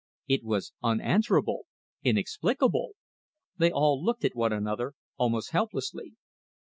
It was unanswerable, inexplicable. They all looked at one another almost helplessly.